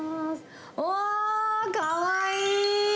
うわー、かわいい。